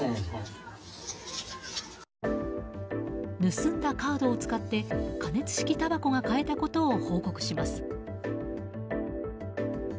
盗んだカードを使って加熱式たばこが買えたことを報告します。